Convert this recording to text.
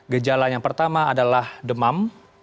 gejala yang pertama adalah demam